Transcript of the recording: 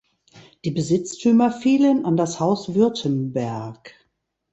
Die Besitztümer fielen an das Haus Württemberg.